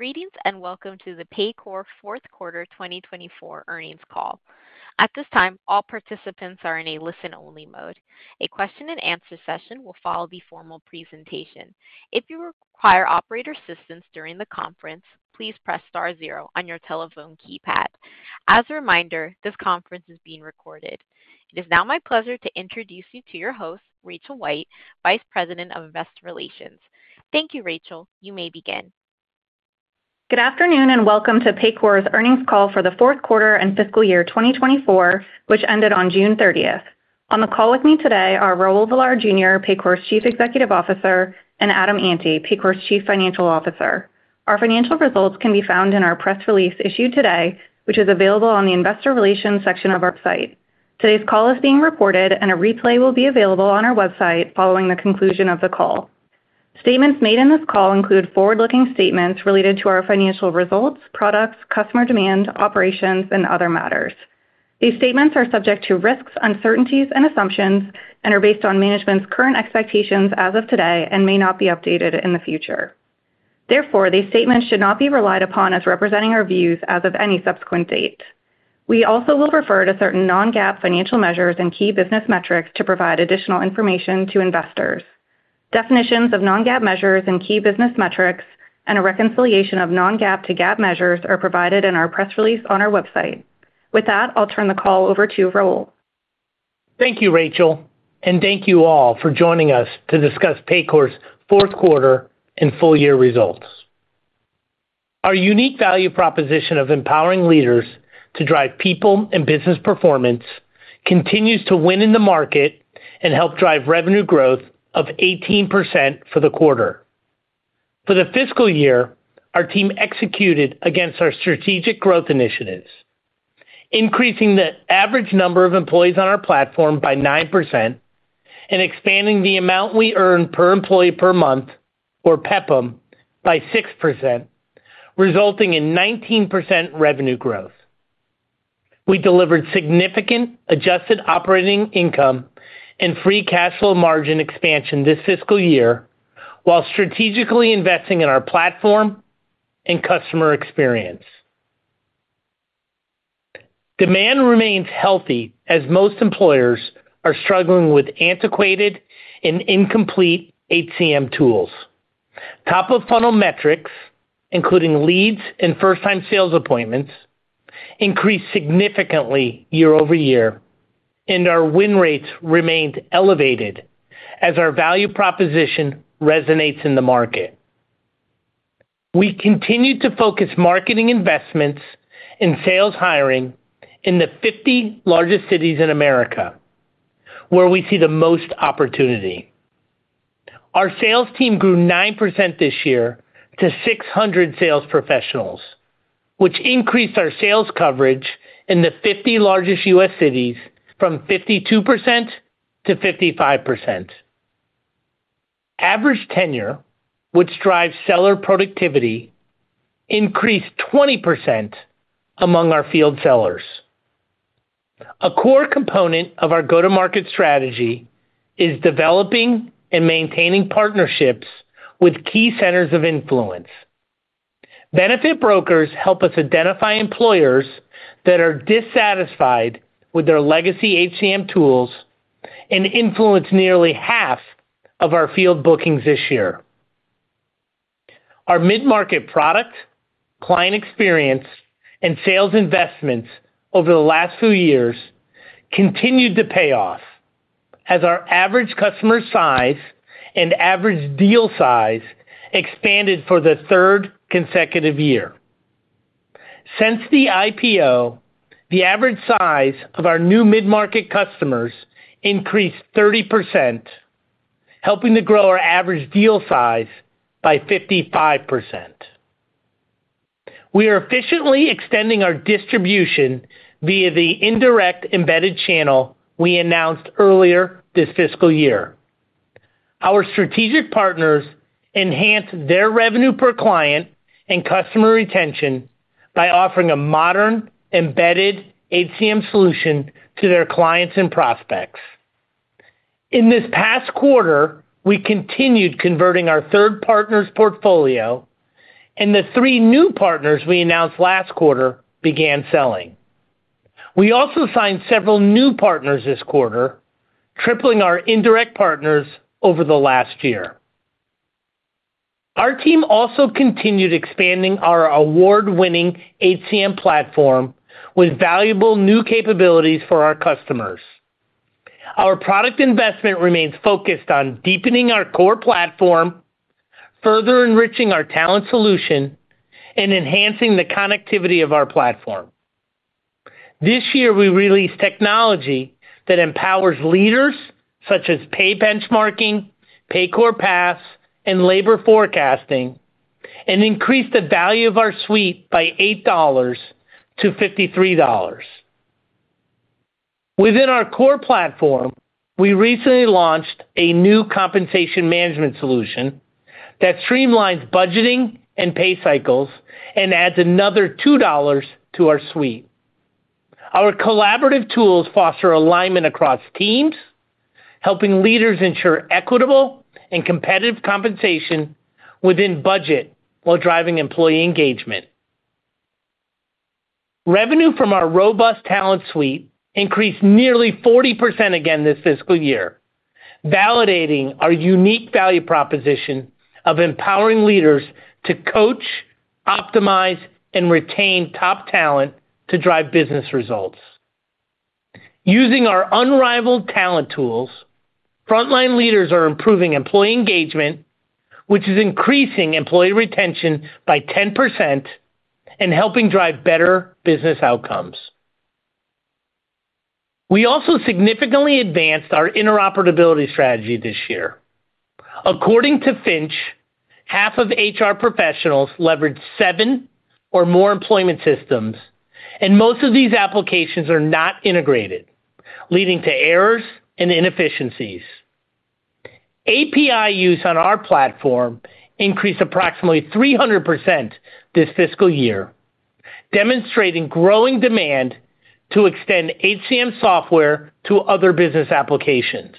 Greetings, and welcome to the Paycor fourth quarter 2024 earnings call. At this time, all participants are in a listen-only mode. A question and answer session will follow the formal presentation. If you require operator assistance during the conference, please press star zero on your telephone keypad. As a reminder, this conference is being recorded. It is now my pleasure to introduce you to your host, Rachel White, Vice President of Investor Relations. Thank you, Rachel. You may begin. Good afternoon, and welcome to Paycor's earnings call for the fourth quarter and fiscal year 2024, which ended on June thirtieth. On the call with me today are Raul Villar Jr., Paycor's Chief Executive Officer, and Adam Ante, Paycor's Chief Financial Officer. Our financial results can be found in our press release issued today, which is available on the investor relations section of our site. Today's call is being recorded, and a replay will be available on our website following the conclusion of the call. Statements made in this call include forward-looking statements related to our financial results, products, customer demand, operations, and other matters. These statements are subject to risks, uncertainties and assumptions, and are based on management's current expectations as of today, and may not be updated in the future. Therefore, these statements should not be relied upon as representing our views as of any subsequent date. We also will refer to certain non-GAAP financial measures and key business metrics to provide additional information to investors. Definitions of non-GAAP measures and key business metrics and a reconciliation of non-GAAP to GAAP measures are provided in our press release on our website. With that, I'll turn the call over to Raul. Thank you, Rachel, and thank you all for joining us to discuss Paycor's fourth quarter and full year results. Our unique value proposition of empowering leaders to drive people and business performance continues to win in the market and help drive revenue growth of 18% for the quarter. For the fiscal year, our team executed against our strategic growth initiatives, increasing the average number of employees on our platform by 9% and expanding the amount we earn per employee per month, or PEPM, by 6%, resulting in 19% revenue growth. We delivered significant adjusted operating income and free cash flow margin expansion this fiscal year, while strategically investing in our platform and customer experience. Demand remains healthy, as most employers are struggling with antiquated and incomplete HCM tools. Top-of-funnel metrics, including leads and first-time sales appointments, increased significantly year-over-year, and our win rates remained elevated as our value proposition resonates in the market. We continued to focus marketing investments and sales hiring in the 50 largest cities in America, where we see the most opportunity. Our sales team grew 9% this year to 600 sales professionals, which increased our sales coverage in the 50 largest U.S. cities from 52% to 55%. Average tenure, which drives seller productivity, increased 20% among our field sellers. A core component of our go-to-market strategy is developing and maintaining partnerships with key centers of influence. Benefit brokers help us identify employers that are dissatisfied with their legacy HCM tools and influence nearly half of our field bookings this year. Our mid-market product, client experience, and sales investments over the last few years continued to pay off, as our average customer size and average deal size expanded for the third consecutive year. Since the IPO, the average size of our new mid-market customers increased 30%, helping to grow our average deal size by 55%. We are efficiently extending our distribution via the indirect embedded channel we announced earlier this fiscal year. Our strategic partners enhance their revenue per client and customer retention by offering a modern, embedded HCM solution to their clients and prospects. In this past quarter, we continued converting our third partner's portfolio, and the three new partners we announced last quarter began selling. We also signed several new partners this quarter, tripling our indirect partners over the last year. Our team also continued expanding our award-winning HCM platform with valuable new capabilities for our customers. Our product investment remains focused on deepening our core platform, further enriching our talent solution, and enhancing the connectivity of our platform. This year, we released technology that empowers leaders, such as pay benchmarking, Paycor Paths, and labor forecasting, and increased the value of our suite by $8 to $53. Within our core platform, we recently launched a new compensation management solution that streamlines budgeting and pay cycles and adds another $2 to our suite. Our collaborative tools foster alignment across teams, helping leaders ensure equitable and competitive compensation within budget, while driving employee engagement. Revenue from our robust talent suite increased nearly 40% again this fiscal year, validating our unique value proposition of empowering leaders to coach, optimize, and retain top talent to drive business results. Using our unrivaled talent tools, frontline leaders are improving employee engagement, which is increasing employee retention by 10% and helping drive better business outcomes. We also significantly advanced our interoperability strategy this year. According to Finch, half of HR professionals leverage seven or more employment systems, and most of these applications are not integrated, leading to errors and inefficiencies. API use on our platform increased approximately 300% this fiscal year, demonstrating growing demand to extend HCM software to other business applications.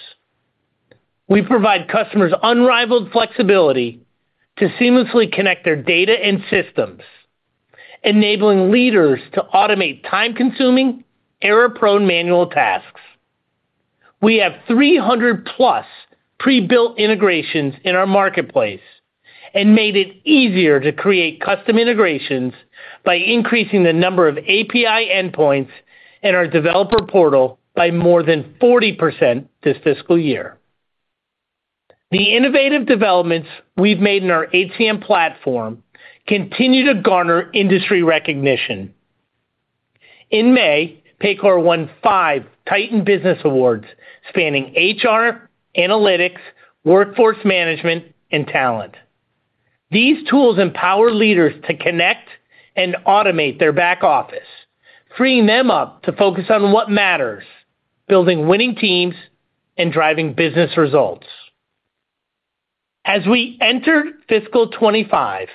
We provide customers unrivaled flexibility to seamlessly connect their data and systems, enabling leaders to automate time-consuming, error-prone manual tasks. We have 300+ pre-built integrations in our marketplace and made it easier to create custom integrations by increasing the number of API endpoints in our developer portal by more than 40% this fiscal year. The innovative developments we've made in our HCM platform continue to garner industry recognition. In May, Paycor won 5 Titan Business Awards, spanning HR, analytics, workforce management, and talent. These tools empower leaders to connect and automate their back office, freeing them up to focus on what matters, building winning teams and driving business results. As we entered fiscal 2025,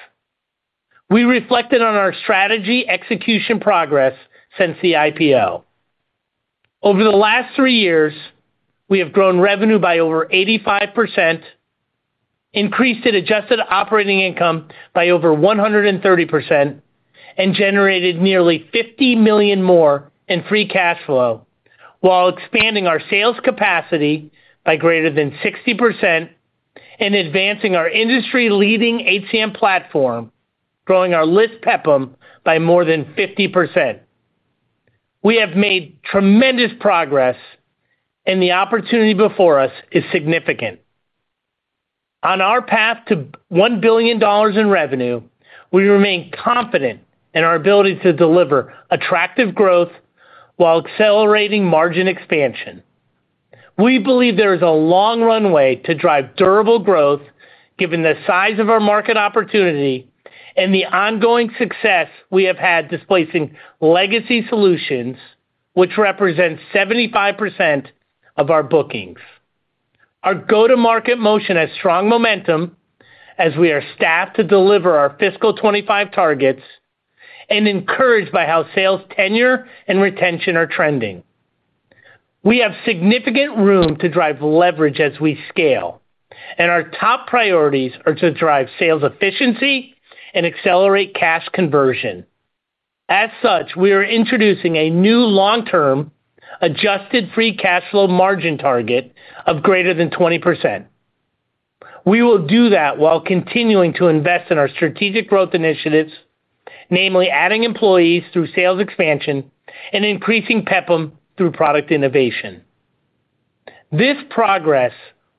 we reflected on our strategy execution progress since the IPO. Over the last 3 years, we have grown revenue by over 85%, increased it adjusted operating income by over 130%, and generated nearly $50 million more in free cash flow, while expanding our sales capacity by greater than 60% and advancing our industry-leading HCM platform, growing our list PEPM by more than 50%. We have made tremendous progress, and the opportunity before us is significant. On our path to $1 billion in revenue, we remain confident in our ability to deliver attractive growth while accelerating margin expansion. We believe there is a long runway to drive durable growth, given the size of our market opportunity and the ongoing success we have had displacing legacy solutions, which represent 75% of our bookings. Our go-to-market motion has strong momentum as we are staffed to deliver our fiscal 2025 targets and encouraged by how sales tenure and retention are trending. We have significant room to drive leverage as we scale, and our top priorities are to drive sales efficiency and accelerate cash conversion. As such, we are introducing a new long-term adjusted free cash flow margin target of greater than 20%. We will do that while continuing to invest in our strategic growth initiatives, namely adding employees through sales expansion and increasing PEPM through product innovation. This progress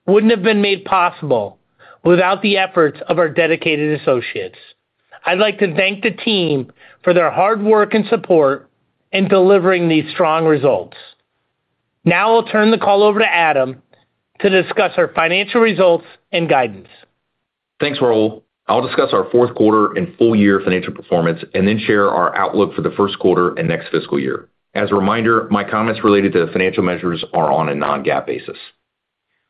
wouldn't have been made possible without the efforts of our dedicated associates. I'd like to thank the team for their hard work and support in delivering these strong results. Now I'll turn the call over to Adam to discuss our financial results and guidance. Thanks, Raul. I'll discuss our fourth quarter and full year financial performance, and then share our outlook for the first quarter and next fiscal year. As a reminder, my comments related to the financial measures are on a non-GAAP basis.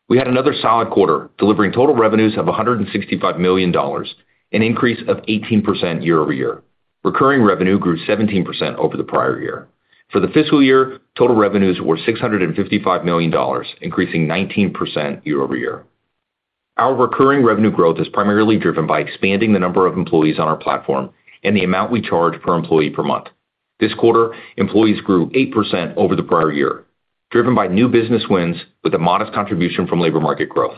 We had another solid quarter, delivering total revenues of $165 million, an increase of 18% year-over-year. Recurring revenue grew 17% over the prior year. For the fiscal year, total revenues were $655 million, increasing 19% year-over-year. Our recurring revenue growth is primarily driven by expanding the number of employees on our platform and the amount we charge per employee per month. This quarter, employees grew 8% over the prior year, driven by new business wins with a modest contribution from labor market growth.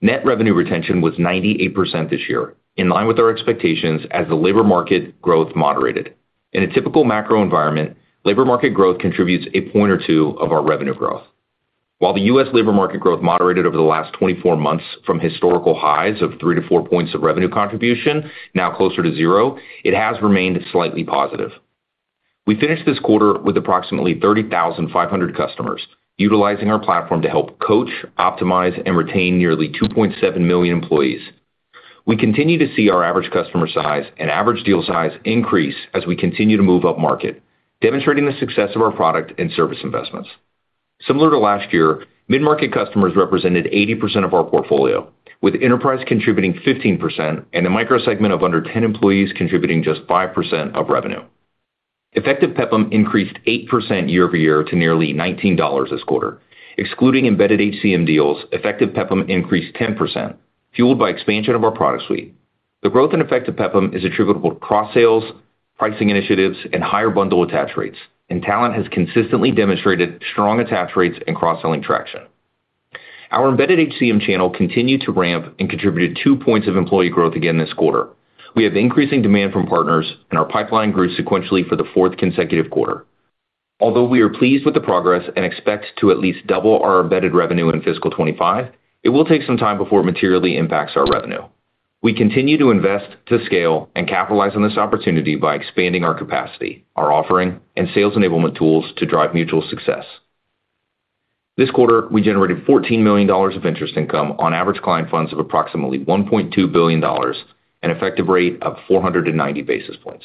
Net revenue retention was 98% this year, in line with our expectations as the labor market growth moderated. In a typical macro environment, labor market growth contributes a point or two of our revenue growth. While the U.S. labor market growth moderated over the last 24 months from historical highs of 3-4 points of revenue contribution, now closer to zero, it has remained slightly positive. We finished this quarter with approximately 30,500 customers, utilizing our platform to help coach, optimize, and retain nearly 2.7 million employees. We continue to see our average customer size and average deal size increase as we continue to move up market, demonstrating the success of our product and service investments.... Similar to last year, mid-market customers represented 80% of our portfolio, with enterprise contributing 15% and the micro segment of under 10 employees contributing just 5% of revenue. Effective PEPM increased 8% year-over-year to nearly $19 this quarter. Excluding embedded HCM deals, effective PEPM increased 10%, fueled by expansion of our product suite. The growth in effective PEPM is attributable to cross-sales, pricing initiatives, and higher bundle attach rates, and Talent has consistently demonstrated strong attach rates and cross-selling traction. Our embedded HCM channel continued to ramp and contributed 2 points of employee growth again this quarter. We have increasing demand from partners, and our pipeline grew sequentially for the fourth consecutive quarter. Although we are pleased with the progress and expect to at least double our embedded revenue in fiscal 2025, it will take some time before it materially impacts our revenue. We continue to invest to scale and capitalize on this opportunity by expanding our capacity, our offering, and sales enablement tools to drive mutual success. This quarter, we generated $14 million of interest income on average client funds of approximately $1.2 billion, an effective rate of 490 basis points.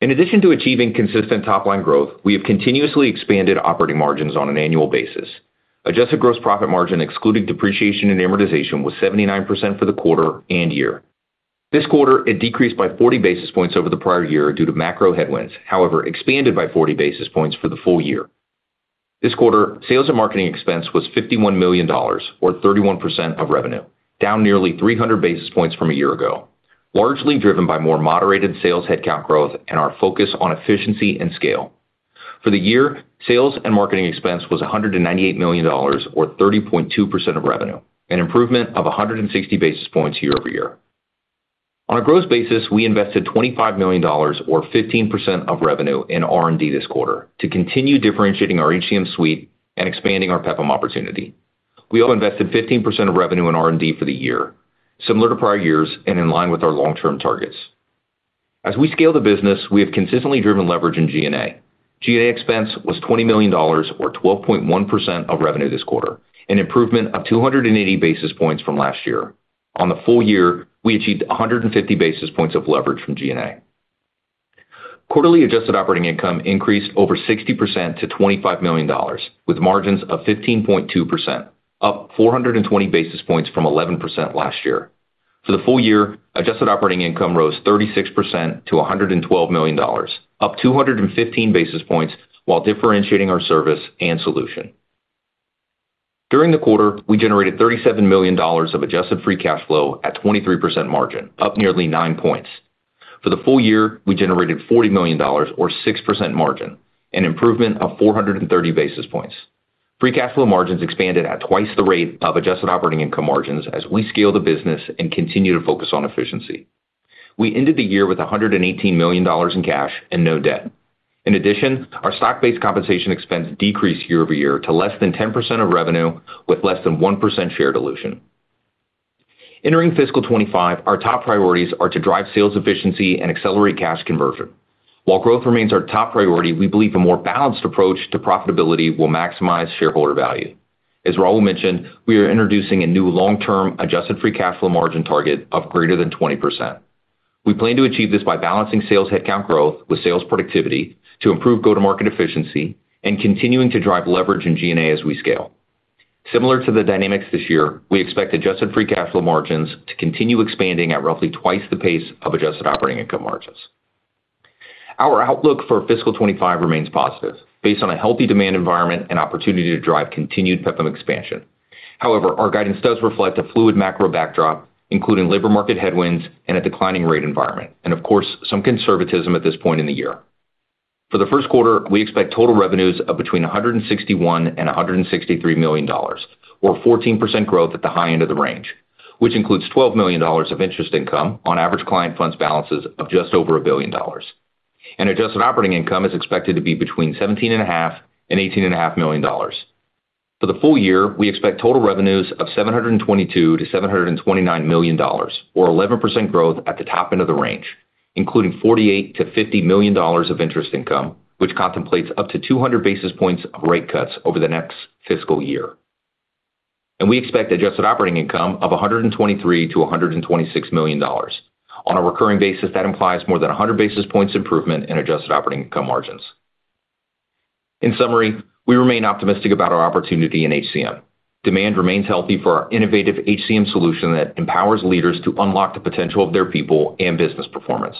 In addition to achieving consistent top-line growth, we have continuously expanded operating margins on an annual basis. Adjusted gross profit margin, excluding depreciation and amortization, was 79% for the quarter and year. This quarter, it decreased by 40 basis points over the prior year due to macro headwinds, however, expanded by 40 basis points for the full year. This quarter, sales and marketing expense was $51 million, or 31% of revenue, down nearly 300 basis points from a year ago, largely driven by more moderated sales headcount growth and our focus on efficiency and scale. For the year, sales and marketing expense was $198 million, or 30.2% of revenue, an improvement of 160 basis points year-over-year. On a gross basis, we invested $25 million, or 15% of revenue, in R&D this quarter to continue differentiating our HCM suite and expanding our PEPM opportunity. We all invested 15% of revenue in R&D for the year, similar to prior years and in line with our long-term targets. As we scale the business, we have consistently driven leverage in G&A. G&A expense was $20 million, or 12.1% of revenue this quarter, an improvement of 280 basis points from last year. On the full year, we achieved 150 basis points of leverage from G&A. Quarterly adjusted operating income increased over 60% to $25 million, with margins of 15.2%, up 420 basis points from 11% last year. For the full year, adjusted operating income rose 36% to $112 million, up 215 basis points, while differentiating our service and solution. During the quarter, we generated $37 million of adjusted free cash flow at 23% margin, up nearly 9 points. For the full year, we generated $40 million, or 6% margin, an improvement of 430 basis points. Free cash flow margins expanded at twice the rate of adjusted operating income margins as we scale the business and continue to focus on efficiency. We ended the year with $118 million in cash and no debt. In addition, our stock-based compensation expense decreased year-over-year to less than 10% of revenue, with less than 1% share dilution. Entering fiscal 2025, our top priorities are to drive sales efficiency and accelerate cash conversion. While growth remains our top priority, we believe a more balanced approach to profitability will maximize shareholder value. As Raul mentioned, we are introducing a new long-term adjusted free cash flow margin target of greater than 20%. We plan to achieve this by balancing sales headcount growth with sales productivity to improve go-to-market efficiency and continuing to drive leverage in G&A as we scale. Similar to the dynamics this year, we expect adjusted free cash flow margins to continue expanding at roughly twice the pace of adjusted operating income margins. Our outlook for fiscal 2025 remains positive based on a healthy demand environment and opportunity to drive continued PEPM expansion. However, our guidance does reflect a fluid macro backdrop, including labor market headwinds and a declining rate environment, and of course, some conservatism at this point in the year. For the first quarter, we expect total revenues of between $161 million and $163 million, or 14% growth at the high end of the range, which includes $12 million of interest income on average client funds balances of just over $1 billion. Adjusted operating income is expected to be between $17.5 million and $18.5 million. For the full year, we expect total revenues of $722 million-$729 million, or 11% growth at the top end of the range, including $48 million-$50 million of interest income, which contemplates up to 200 basis points of rate cuts over the next fiscal year. We expect adjusted operating income of $123 million-$126 million. On a recurring basis, that implies more than 100 basis points improvement in adjusted operating income margins. In summary, we remain optimistic about our opportunity in HCM. Demand remains healthy for our innovative HCM solution that empowers leaders to unlock the potential of their people and business performance.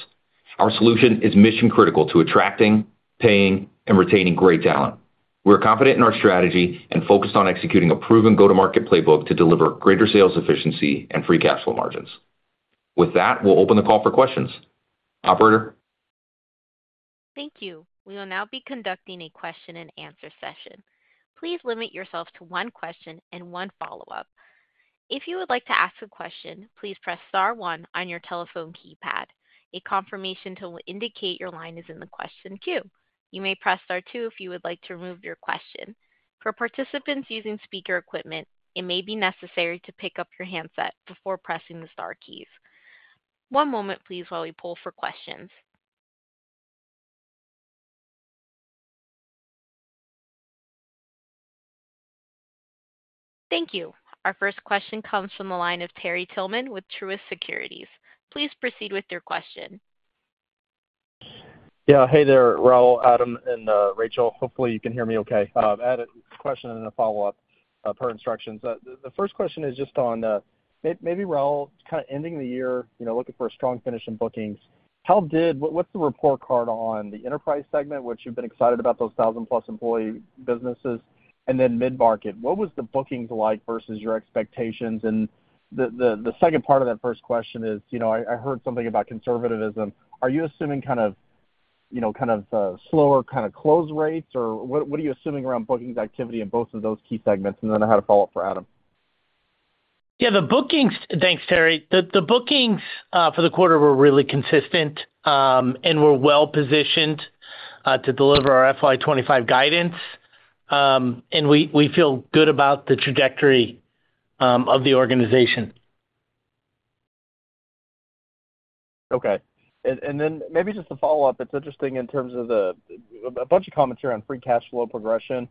Our solution is mission-critical to attracting, paying, and retaining great talent. We're confident in our strategy and focused on executing a proven go-to-market playbook to deliver greater sales efficiency and free cash flow margins. With that, we'll open the call for questions. Operator? Thank you. We will now be conducting a question-and-answer session. Please limit yourself to one question and one follow-up. If you would like to ask a question, please press star one on your telephone keypad. A confirmation tone will indicate your line is in the question queue. You may press star two if you would like to remove your question. For participants using speaker equipment, it may be necessary to pick up your handset before pressing the star keys. One moment, please, while we pull for questions. Thank you. Our first question comes from the line of Terry Tillman with Truist Securities. Please proceed with your question. Yeah. Hey there, Raul, Adam, and Rachel. Hopefully, you can hear me okay. I had a question and a follow-up, per instructions. The first question is just on, maybe, Raul, kind of ending the year, you know, looking for a strong finish in bookings. How did... What's the report card on the enterprise segment, which you've been excited about those thousand-plus employee businesses, and then mid-market? What was the bookings like versus your expectations? And the second part of that first question is, you know, I heard something about conservatism. Are you assuming kind of, you know, kind of, slower kind of close rates, or what, what are you assuming around bookings activity in both of those key segments? And then I had a follow-up for Adam. Yeah, the bookings. Thanks, Terry. The bookings for the quarter were really consistent, and we're well-positioned to deliver our FY 2025 guidance. And we feel good about the trajectory of the organization. Okay. And then maybe just a follow-up. It's interesting in terms of the... a bunch of comments here on free cash flow progression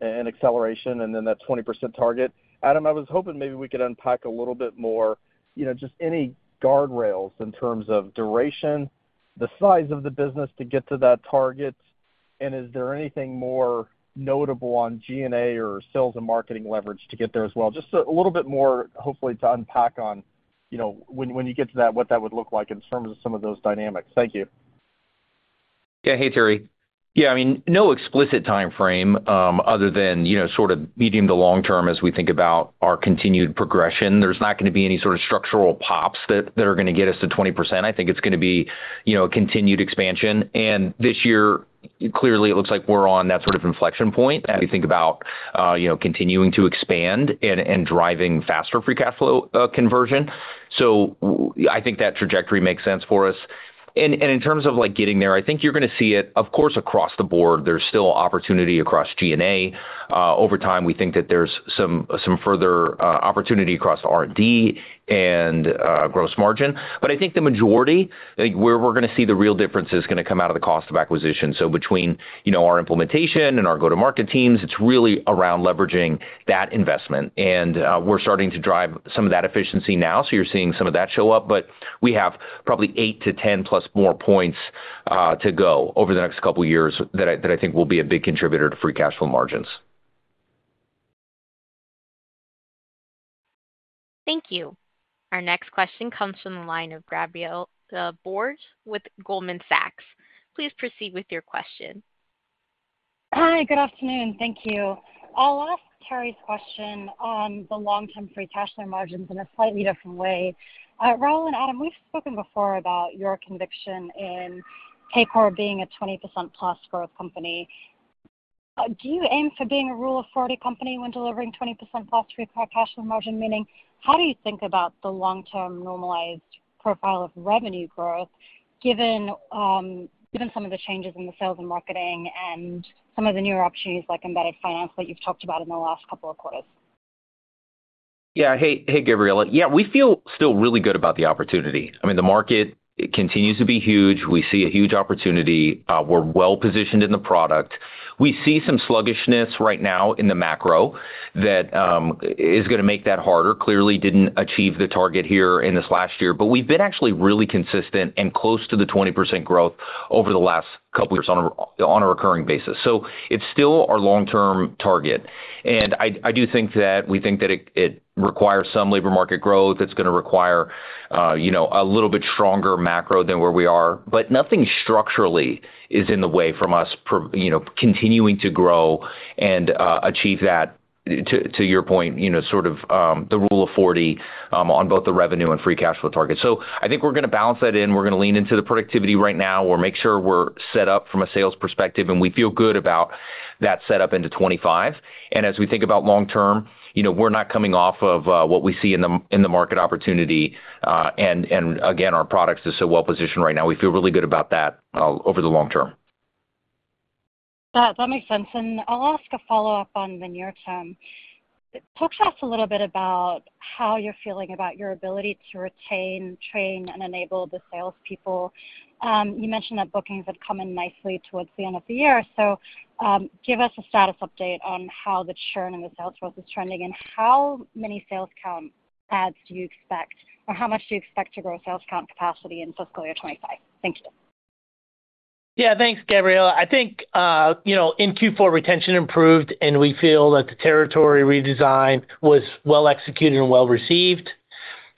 and acceleration and then that 20% target. Adam, I was hoping maybe we could unpack a little bit more, you know, just any guardrails in terms of duration, the size of the business to get to that target, and is there anything more notable on G&A or sales and marketing leverage to get there as well? Just a little bit more, hopefully, to unpack on, you know, when you get to that, what that would look like in terms of some of those dynamics. Thank you. Yeah. Hey, Terry. Yeah, I mean, no explicit timeframe, other than, you know, sort of medium to long term as we think about our continued progression. There's not gonna be any sort of structural pops that are gonna get us to 20%. I think it's gonna be, you know, a continued expansion. And this year, clearly, it looks like we're on that sort of inflection point as we think about, you know, continuing to expand and driving faster free cash flow conversion. So I think that trajectory makes sense for us. And in terms of, like, getting there, I think you're gonna see it, of course, across the board. There's still opportunity across G&A. Over time, we think that there's some further opportunity across R&D and gross margin. But I think the majority, I think, where we're gonna see the real difference is gonna come out of the cost of acquisition. So between, you know, our implementation and our go-to-market teams, it's really around leveraging that investment. And we're starting to drive some of that efficiency now, so you're seeing some of that show up, but we have probably eight to 10-plus more points to go over the next couple of years that I, that I think will be a big contributor to free cash flow margins. Thank you. Our next question comes from the line of Gabriela Borges with Goldman Sachs. Please proceed with your question. Good afternoon. Thank you. I'll ask Terry's question on the long-term free cash flow margins in a slightly different way. Raul and Adam, we've spoken before about your conviction in Paycor being a 20%+ growth company. Do you aim for being a Rule of 40 company when delivering 20%+ free cash flow margin? Meaning, how do you think about the long-term normalized profile of revenue growth, given, given some of the changes in the sales and marketing and some of the newer opportunities, like embedded finance, that you've talked about in the last couple of quarters? Yeah. Hey, hey, Gabriela. Yeah, we feel still really good about the opportunity. I mean, the market continues to be huge. We see a huge opportunity. We're well-positioned in the product. We see some sluggishness right now in the macro that is gonna make that harder. Clearly, didn't achieve the target here in this last year, but we've been actually really consistent and close to the 20% growth over the last couple years on a recurring basis. So it's still our long-term target, and I do think that we think that it requires some labor market growth. It's gonna require, you know, a little bit stronger macro than where we are, but nothing structurally is in the way from us, you know, continuing to grow and achieve that, to your point, you know, sort of the Rule of 40 on both the revenue and free cash flow target. So I think we're gonna balance that in. We're gonna lean into the productivity right now. We'll make sure we're set up from a sales perspective, and we feel good about that set up into 2025. And as we think about long term, you know, we're not coming off of what we see in the market opportunity, and again, our products are so well positioned right now. We feel really good about that over the long term. That, that makes sense, and I'll ask a follow-up on the near term. Talk to us a little bit about how you're feeling about your ability to retain, train, and enable the salespeople. You mentioned that bookings have come in nicely towards the end of the year, so, give us a status update on how the churn in the sales force is trending, and how many sales count adds do you expect, or how much do you expect to grow sales count capacity in fiscal year 2025? Thank you. Yeah. Thanks, Gabriela. I think, you know, in Q4, retention improved, and we feel that the territory redesign was well executed and well received.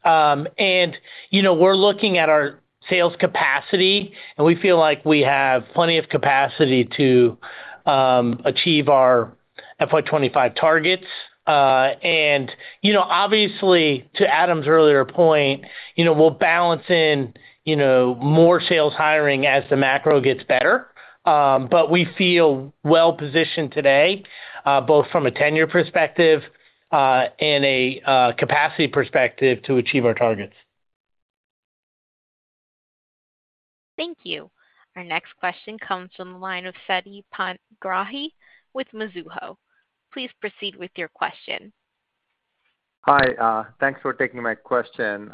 And, you know, we're looking at our sales capacity, and we feel like we have plenty of capacity to achieve our FY 2025 targets. And, you know, obviously, to Adam's earlier point, you know, we'll balance in, you know, more sales hiring as the macro gets better. But we feel well positioned today, both from a tenure perspective, and a capacity perspective to achieve our targets. Thank you. Our next question comes from the line of Siti Panigrahi with Mizuho. Please proceed with your question. Hi, thanks for taking my question.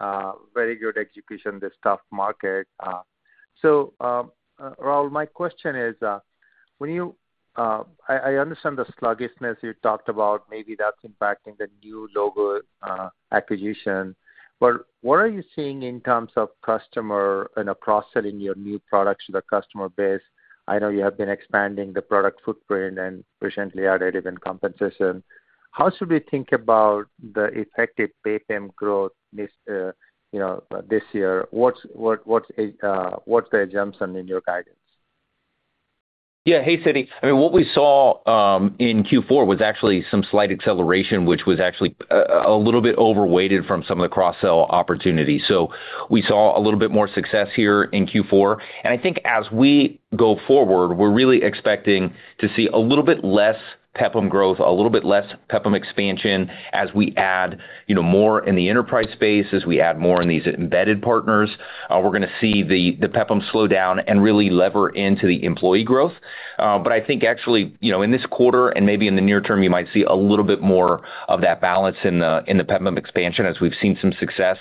Very good execution in this tough market. Raul, my question is, when you... I understand the sluggishness you talked about, maybe that's impacting the new logo acquisition, but what are you seeing in terms of customer and cross-selling your new products to the customer base? I know you have been expanding the product footprint and recently added even compensation. How should we think about the effective PEPM growth this, you know, this year? What's the assumption in your guidance? Yeah. Hey, Siti. I mean, what we saw in Q4 was actually some slight acceleration, which was actually a little bit overweighted from some of the cross-sell opportunities. So we saw a little bit more success here in Q4. And I think as we go forward, we're really expecting to see a little bit less PEPM growth, a little bit less PEPM expansion. As we add, you know, more in the enterprise space, as we add more in these embedded partners, we're going to see the PEPM slow down and really lever into the employee growth. But I think actually, you know, in this quarter and maybe in the near term, you might see a little bit more of that balance in the PEPM expansion, as we've seen some success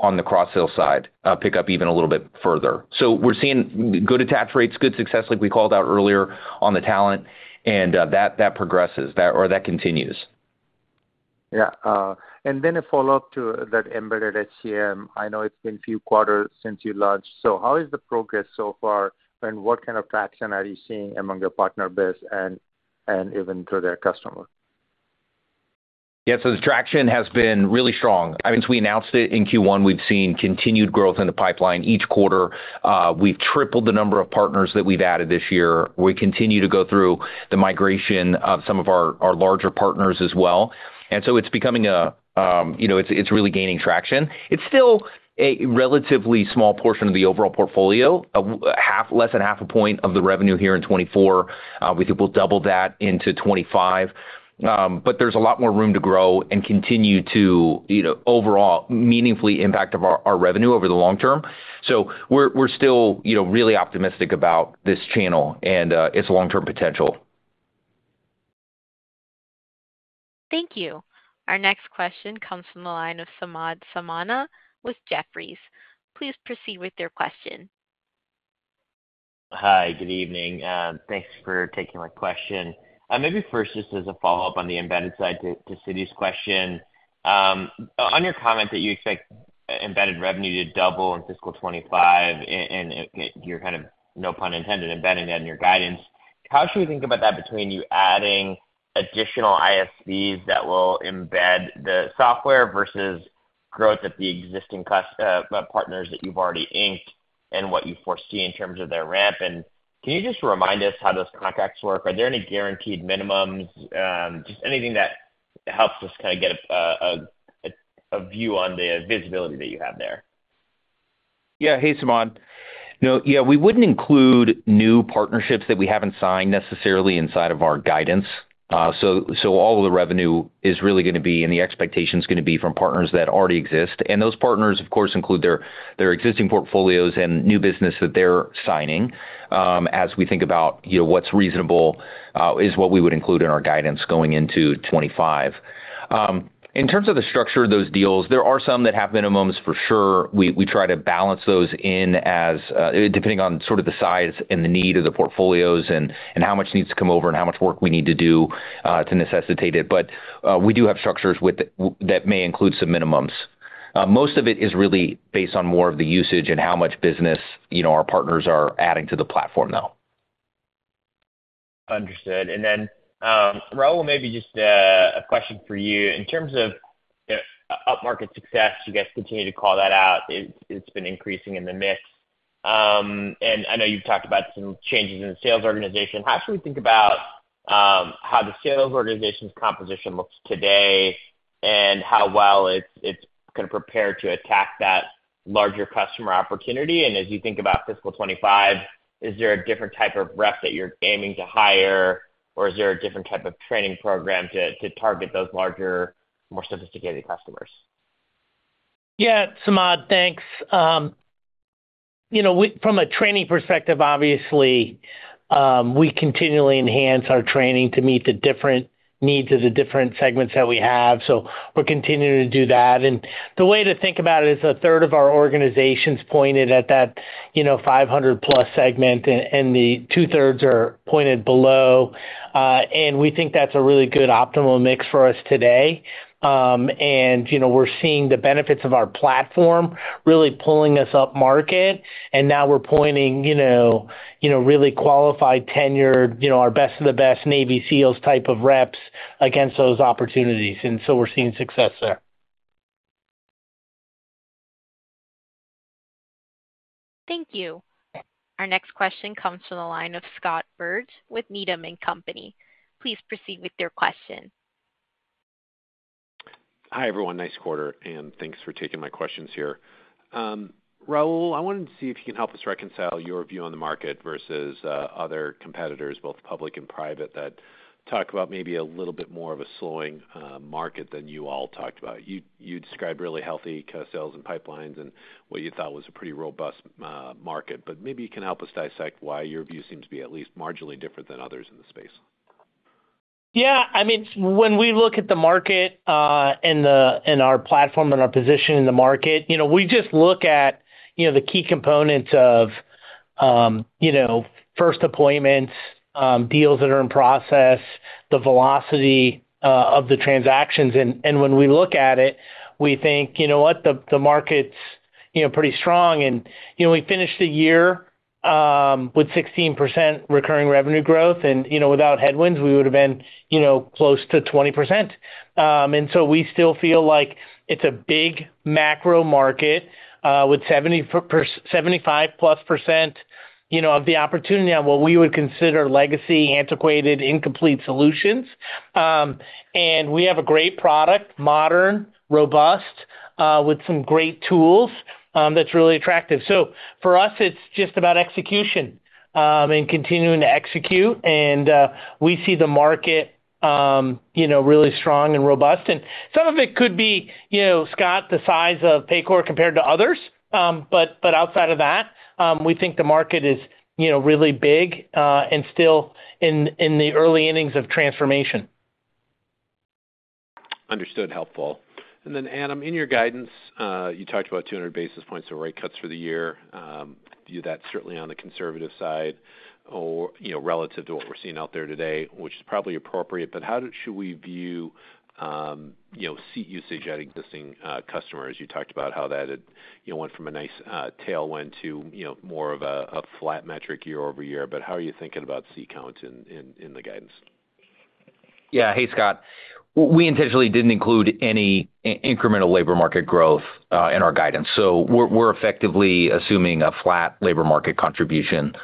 on the cross-sell side pick up even a little bit further. We're seeing good attach rates, good success, like we called out earlier, on the talent, and that progresses or continues. Yeah. And then a follow-up to that embedded HCM. I know it's been a few quarters since you launched. So how is the progress so far, and what kind of traction are you seeing among your partner base and even to their customer? Yeah, so the traction has been really strong. I mean, since we announced it in Q1, we've seen continued growth in the pipeline each quarter. We've tripled the number of partners that we've added this year. We continue to go through the migration of some of our, our larger partners as well. And so it's becoming a, you know, it's, it's really gaining traction. It's still a relatively small portion of the overall portfolio, less than half a point of the revenue here in 2024. We think we'll double that into 2025. But there's a lot more room to grow and continue to, you know, overall meaningfully impact of our, our revenue over the long term. So we're, we're still, you know, really optimistic about this channel and its long-term potential. Thank you. Our next question comes from the line of Samad Samana with Jefferies. Please proceed with your question. Hi, good evening. Thanks for taking my question. Maybe first, just as a follow-up on the embedded side to Siti's question. On your comment that you expect embedded revenue to double in fiscal 2025, and you're kind of, no pun intended, embedding that in your guidance, how should we think about that between you adding additional ISVs that will embed the software versus growth at the existing partners that you've already inked and what you foresee in terms of their ramp? And can you just remind us how those contracts work? Are there any guaranteed minimums? Just anything that helps us kind of get a view on the visibility that you have there. Yeah. Hey, Samad. No, yeah, we wouldn't include new partnerships that we haven't signed necessarily inside of our guidance. So all of the revenue is really going to be, and the expectation is going to be from partners that already exist. And those partners, of course, include their existing portfolios and new business that they're signing, as we think about, you know, what's reasonable, is what we would include in our guidance going into 2025. In terms of the structure of those deals, there are some that have minimums for sure. We try to balance those in as, depending on sort of the size and the need of the portfolios and how much needs to come over and how much work we need to do, to necessitate it. We do have structures that may include some minimums. Most of it is really based on more of the usage and how much business, you know, our partners are adding to the platform, though. Understood. And then, Raul, maybe just a question for you. In terms of upmarket success, you guys continue to call that out. It's, it's been increasing in the mix. And I know you've talked about some changes in the sales organization. How should we think about how the sales organization's composition looks today and how well it's, it's kind of prepared to attack that larger customer opportunity? And as you think about fiscal 2025, is there a different type of rep that you're aiming to hire, or is there a different type of training program to target those larger, more sophisticated customers? Yeah, Samad, thanks. You know, we from a training perspective, obviously, we continually enhance our training to meet the different needs of the different segments that we have, so we're continuing to do that. And the way to think about it is a third of our organization's pointed at that, you know, 500+ segment, and the two thirds are pointed below. And we think that's a really good optimal mix for us today. And, you know, we're seeing the benefits of our platform really pulling us up market, and now we're pointing, you know, really qualified, tenured, you know, our best of the best Navy SEALs type of reps against those opportunities, and so we're seeing success there. Thank you. Our next question comes from the line of Scott Berg with Needham & Company. Please proceed with your question. Hi, everyone. Nice quarter, and thanks for taking my questions here. Raul, I wanted to see if you can help us reconcile your view on the market versus other competitors, both public and private, that talk about maybe a little bit more of a slowing market than you all talked about. You described really healthy co-sales and pipelines and what you thought was a pretty robust market, but maybe you can help us dissect why your view seems to be at least marginally different than others in the space. ... Yeah, I mean, when we look at the market, and our platform and our position in the market, you know, we just look at, you know, the key components of, you know, first appointments, deals that are in process, the velocity of the transactions. And when we look at it, we think, you know what? The market's, you know, pretty strong. And, you know, we finished the year with 16% recurring revenue growth, and, you know, without headwinds, we would have been, you know, close to 20%. And so we still feel like it's a big macro market with 75%+, you know, of the opportunity on what we would consider legacy, antiquated, incomplete solutions. And we have a great product, modern, robust, with some great tools, that's really attractive. So for us, it's just about execution and continuing to execute. And we see the market, you know, really strong and robust. And some of it could be, you know, Scott, the size of Paycor compared to others. But outside of that, we think the market is, you know, really big and still in the early innings of transformation. Understood. Helpful. And then, Adam, in your guidance, you talked about 200 basis points of rate cuts for the year. View that certainly on the conservative side or, you know, relative to what we're seeing out there today, which is probably appropriate. But how should we view, you know, seat usage at existing customers? You talked about how that had, you know, went from a nice tailwind to, you know, more of a flat metric year-over-year, but how are you thinking about seat count in the guidance? Yeah. Hey, Scott. We intentionally didn't include any incremental labor market growth in our guidance, so we're effectively assuming a flat labor market contribution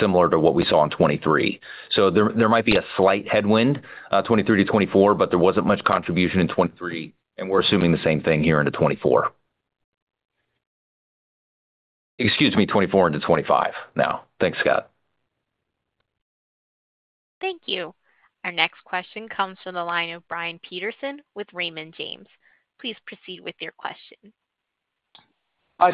similar to what we saw in 2023. So there might be a slight headwind 2023 to 2024, but there wasn't much contribution in 2023, and we're assuming the same thing here into 2024. Excuse me, 2024 into 2025 now. Thanks, Scott. Thank you. Our next question comes from the line of Brian Peterson with Raymond James. Please proceed with your question.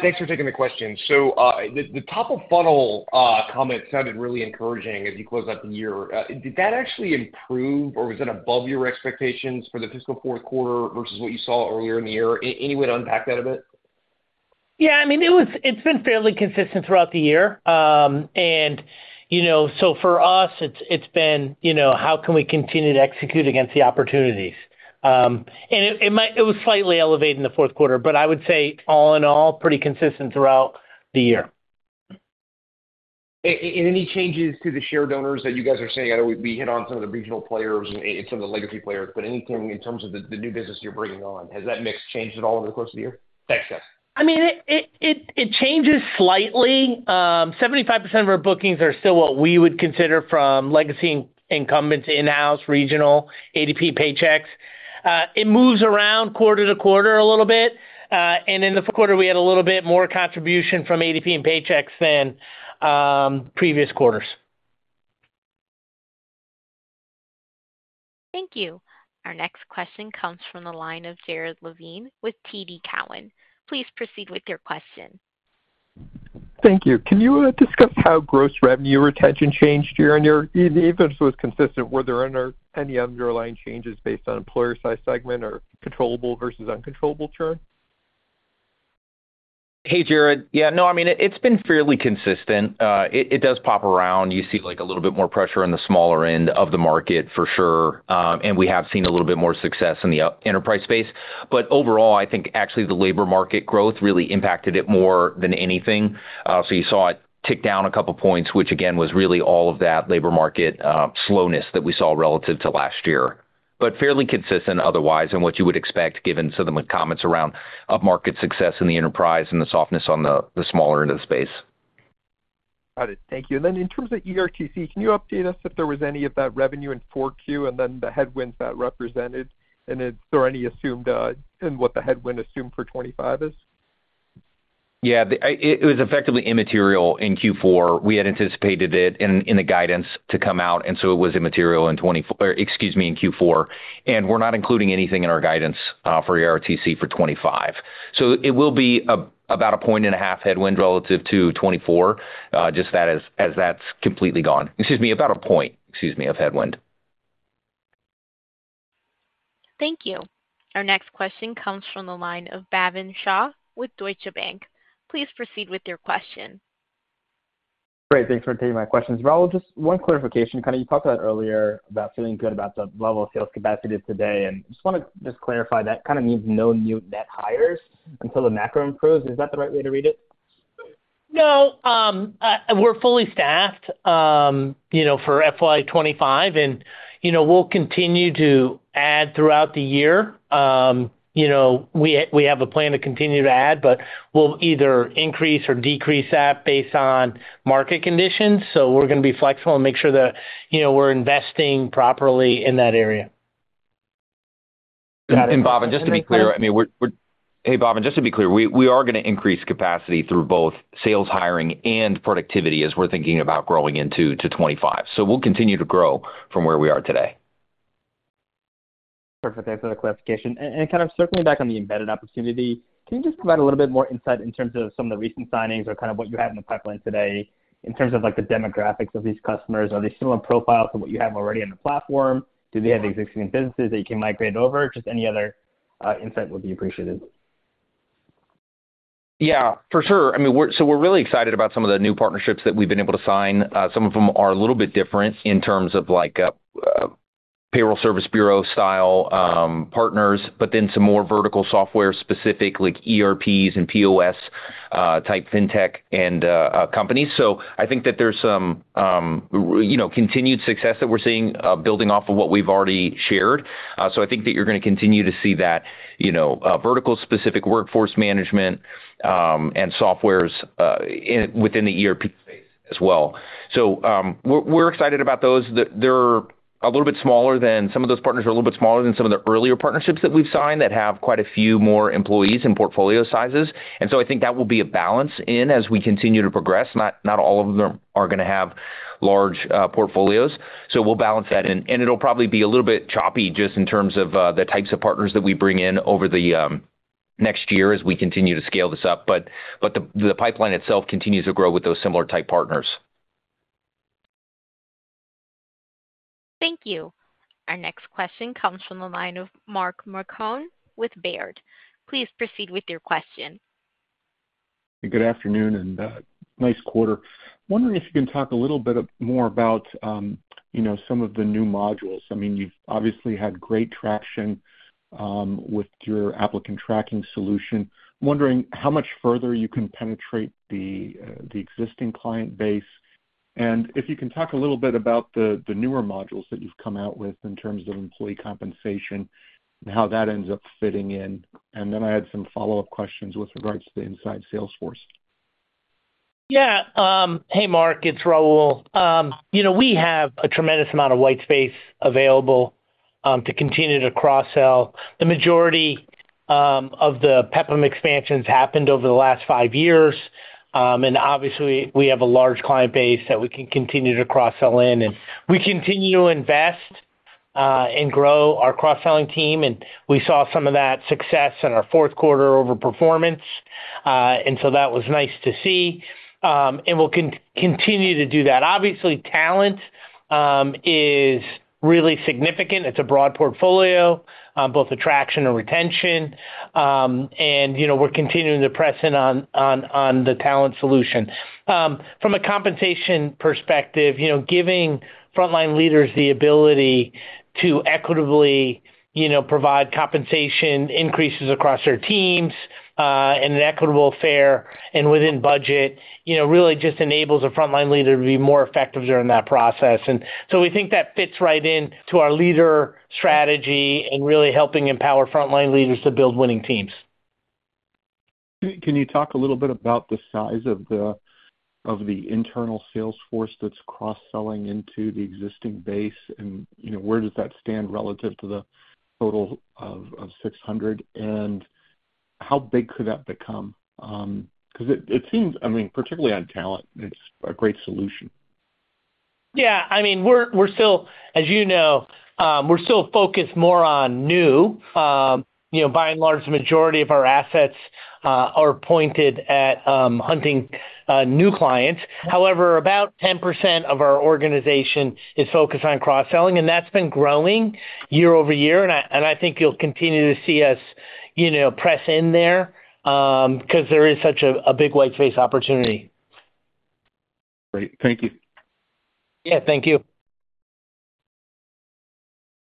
Thanks for taking the question. So, the top-of-funnel comment sounded really encouraging as you closed out the year. Did that actually improve, or was it above your expectations for the fiscal fourth quarter versus what you saw earlier in the year? Any way to unpack that a bit? Yeah, I mean, it was. It's been fairly consistent throughout the year. You know, so for us, it's been, you know, how can we continue to execute against the opportunities? It was slightly elevated in the fourth quarter, but I would say, all in all, pretty consistent throughout the year. And any changes to the share of dollars that you guys are seeing? I know we hit on some of the regional players and some of the legacy players, but anything in terms of the new business you're bringing on, has that mix changed at all over the course of the year? Thanks, guys. I mean, it changes slightly. 75% of our bookings are still what we would consider from legacy incumbents, in-house, regional, ADP, Paychex. It moves around quarter-to-quarter a little bit, and in the fourth quarter, we had a little bit more contribution from ADP and Paychex than previous quarters. Thank you. Our next question comes from the line of Jared Levine with TD Cowen. Please proceed with your question. Thank you. Can you, discuss how gross revenue retention changed during your... Even if it was consistent, were there under any underlying changes based on employer size, segment, or controllable versus uncontrollable churn? Hey, Jared. Yeah, no, I mean, it, it's been fairly consistent. It does pop around. You see, like, a little bit more pressure on the smaller end of the market, for sure, and we have seen a little bit more success in the enterprise space. But overall, I think actually the labor market growth really impacted it more than anything. So you saw it tick down a couple points, which again, was really all of that labor market slowness that we saw relative to last year. But fairly consistent otherwise, and what you would expect, given some of the comments around upmarket success in the enterprise and the softness on the smaller end of the space. Got it. Thank you. And then in terms of ERTC, can you update us if there was any of that revenue in Q4 and then the headwinds that represented, and if there are any assumed, and what the headwind assumed for 2025 is? Yeah, the, it, it was effectively immaterial in Q4. We had anticipated it in the guidance to come out, and so it was immaterial in 2024... in Q4, and we're not including anything in our guidance for ERTC for 2025. So it will be about a point and a half headwind relative to 2024, just that as that's completely gone. Excuse me, about a point of headwind. Thank you. Our next question comes from the line of Bhavin Shah with Deutsche Bank. Please proceed with your question. Great. Thanks for taking my questions. Raul, just one clarification. Kind of you talked about earlier about feeling good about the level of sales capacity today, and just want to just clarify that kind of means no new net hires until the macro improves. Is that the right way to read it? No, we're fully staffed, you know, for FY 2025, and, you know, we'll continue to add throughout the year. You know, we have a plan to continue to add, but we'll either increase or decrease that based on market conditions. So we're going to be flexible and make sure that, you know, we're investing properly in that area. Bhavin, just to be clear, I mean, we are going to increase capacity through both sales, hiring, and productivity as we're thinking about growing into 2025. So we'll continue to grow from where we are today. ...Perfect. Thanks for the clarification. And kind of circling back on the embedded opportunity, can you just provide a little bit more insight in terms of some of the recent signings or kind of what you have in the pipeline today in terms of, like, the demographics of these customers? Are they similar profiles to what you have already on the platform? Do they have existing businesses that you can migrate over? Just any other insight would be appreciated. Yeah, for sure. I mean, we're so we're really excited about some of the new partnerships that we've been able to sign. Some of them are a little bit different in terms of like, payroll service bureau-style, partners, but then some more vertical software-specific, like ERPs and POS, type Fintech and, companies. So I think that there's some, you know, continued success that we're seeing, building off of what we've already shared. So I think that you're gonna continue to see that, you know, vertical-specific workforce management, and softwares, in, within the ERP space as well. So, we're, we're excited about those. They're a little bit smaller than... Some of those partners are a little bit smaller than some of the earlier partnerships that we've signed that have quite a few more employees and portfolio sizes. I think that will be a balance in as we continue to progress. Not all of them are gonna have large portfolios, so we'll balance that in. And it'll probably be a little bit choppy just in terms of the types of partners that we bring in over the next year as we continue to scale this up. But the pipeline itself continues to grow with those similar type partners. Thank you. Our next question comes from the line of Mark Marcon with Baird. Please proceed with your question. Good afternoon, and, nice quarter. Wondering if you can talk a little bit, more about, you know, some of the new modules. I mean, you've obviously had great traction, with your applicant tracking solution. I'm wondering how much further you can penetrate the, the existing client base, and if you can talk a little bit about the, the newer modules that you've come out with in terms of employee compensation and how that ends up fitting in. And then I had some follow-up questions with regards to the inside sales force. Yeah. Hey, Mark, it's Raul. You know, we have a tremendous amount of white space available to continue to cross-sell. The majority of the PEPM expansions happened over the last five years, and obviously we have a large client base that we can continue to cross-sell in, and we continue to invest and grow our cross-selling team, and we saw some of that success in our fourth quarter over performance. And so that was nice to see. And we'll continue to do that. Obviously, talent is really significant. It's a broad portfolio both attraction and retention. And, you know, we're continuing to press in on the talent solution. From a compensation perspective, you know, giving frontline leaders the ability to equitably, you know, provide compensation increases across their teams, and an equitable, fair, and within budget, you know, really just enables a frontline leader to be more effective during that process. And so we think that fits right in to our leader strategy and really helping empower frontline leaders to build winning teams. Can you talk a little bit about the size of the internal sales force that's cross-selling into the existing base? And, you know, where does that stand relative to the total of 600, and how big could that become? 'Cause it seems, I mean, particularly on talent, it's a great solution. Yeah, I mean, we're still, as you know, focused more on new. You know, by and large, the majority of our assets are pointed at hunting new clients. However, about 10% of our organization is focused on cross-selling, and that's been growing year-over-year, and I think you'll continue to see us, you know, press in there, 'cause there is such a big white space opportunity. Great. Thank you. Yeah, thank you.